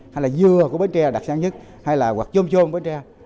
hay là dừa của bến tre là đặc sản nhất hay là quạt chôm chôm bến tre